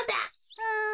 うん。